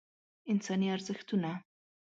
انساني ارزښتونه